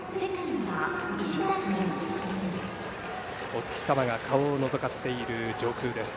お月様が顔をのぞかせている上空です。